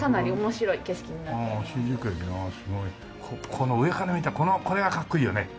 この上から見たこれがかっこいいよね。